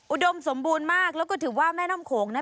อุดมสมบูรณ์มากแล้วก็ถือว่าแม่น้ำโขงนั้น